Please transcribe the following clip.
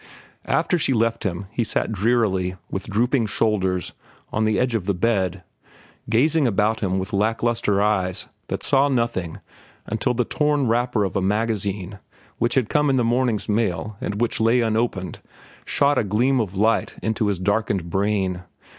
After she left him he sat drearily, with drooping shoulders, on the edge of the bed, gazing about him with lack lustre eyes that saw nothing until the torn wrapper of a magazine, which had come in the morning's mail and which lay unopened, shot a gleam of light into his darkened brain.